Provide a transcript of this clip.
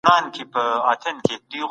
تر هغې پېښي وروسته هر څه په ارامۍ تېر سول.